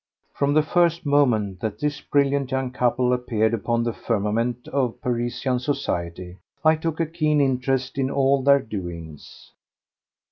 From the first moment that this brilliant young couple appeared upon the firmament of Parisian society I took a keen interest in all their doings.